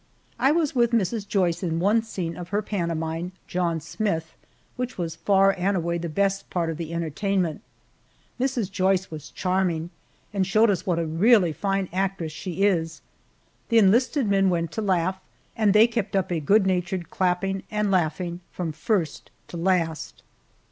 I was with Mrs. Joyce in one scene of her pantomime, "John Smith," which was far and away the best part of the entertainment. Mrs. Joyce was charming, and showed us what a really fine actress she is. The enlisted men went to laugh, and they kept up a good natured clapping and laughing from first to last.